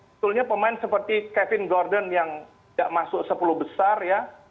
sebetulnya pemain seperti kevin gordon yang tidak masuk sepuluh besar ya